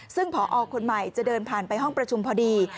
ซึ่งพอคนใหม่จะเดินผ่านไปห้องประชุมพอดี